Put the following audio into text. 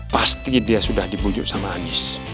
pasti dia sudah dipujuk sama anis